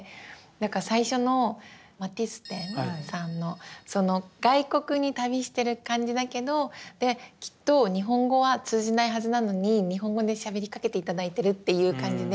最初のマティス展さんのその外国に旅してる感じだけどできっと日本語は通じないはずなのに日本語でしゃべりかけて頂いてるっていう感じで。